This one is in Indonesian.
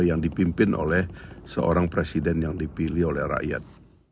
yang dipimpin oleh seorang presiden yang dipilih oleh rakyat